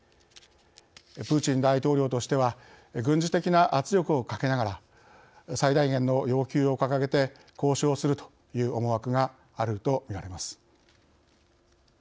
プーチン大統領としては軍事的な圧力をかけながら最大限の要求を掲げて交渉するという思惑があると見られます。